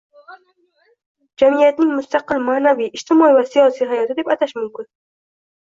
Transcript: “jamiyatning mustaqil ma’naviy, ijtimoiy va siyosiy hayoti” deb atash mumkin bo‘lgan